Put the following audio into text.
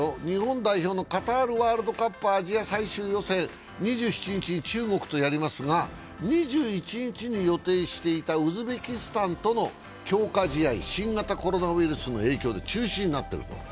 日本代表のカタールワールドカップアジア最終予選、２７日、中国とやりますが、２１日に予定していたウズベキスタンとの強化試合、新型コロナウイルスの影響で中止になっていると。